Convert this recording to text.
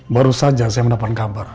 baru saja saya mendapat kabar